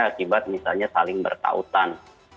akibat misalnya saling bertautan